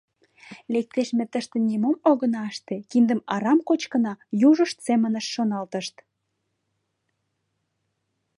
«Лектеш, ме тыште нимом огына ыште, киндым арам кочкына?» — южышт семынышт шоналтышт.